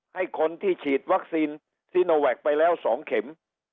ให้คนที่ฉีดวัคซีนซีโนแวคไปแล้ว๒เข็ม